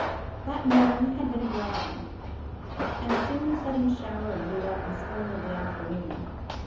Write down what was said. That morning had been a gray one, and soon a sudden shower blew up and spoiled the afternoon.